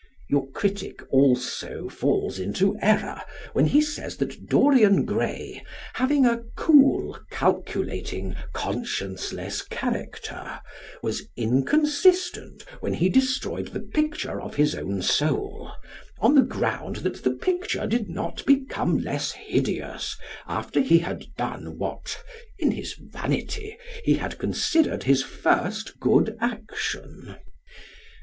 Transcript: Your critic also falls into error when he says that Dorian Gray, having a "cool, calculating, conscienceless character," was inconsistent when he destroyed the picture of his own soul, on the ground that the picture did not become less hideous after he had done what, in his vanity, he had considered his first good action.